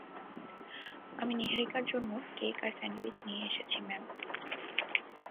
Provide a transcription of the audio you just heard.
আমি নীহারিকার জন্য কেক আর স্যান্ডউইচ নিয়ে এসেছি, ম্যাম।